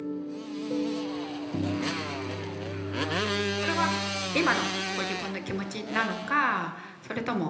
これは今のご自分の気持ちなのかそれとも。